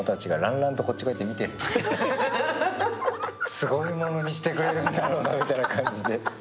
すごいもの見してくれるんだろうなみたいな感じで。